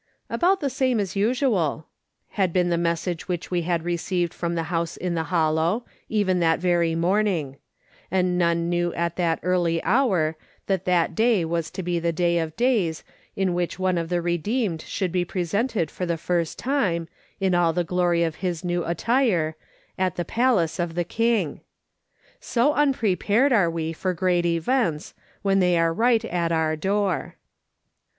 " About the same as usual," had been the message which we had received from the house in the Hollow, even that very morning ; and none knew at that early hour that that day was to be the day of days in which one of the redeemed should be presented for the first time, in all the glory of his new attire, at the palace of the King ! So unprepared are we for great events, when they are right at our door.